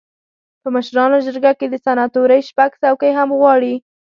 په مشرانو جرګه کې د سناتورۍ شپږ څوکۍ هم غواړي.